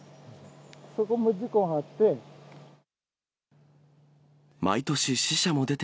そこも事故があって。